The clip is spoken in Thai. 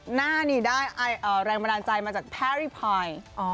หน้านี่ได้แรงบันดาลใจมาจากแพรรี่พอย